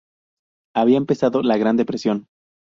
Había empezado la Gran Depresión.